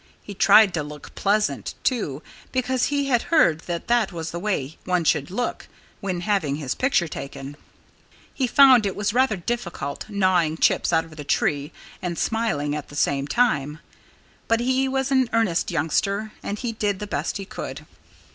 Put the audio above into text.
He tried to look pleasant, too, because he had heard that that was the way one should look when having his picture taken. He found it rather difficult, gnawing chips out of the tree and smiling at the same time. But he was an earnest youngster and he did the best he could.